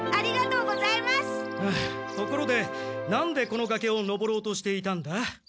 ところでなんでこのがけを登ろうとしていたんだ？